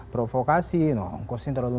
provokasi no kosnya terlalu